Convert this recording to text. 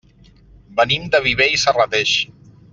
Venim de Viver i Serrateix.